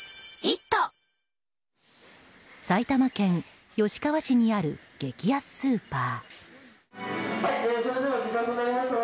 埼玉県吉川市にある激安スーパー。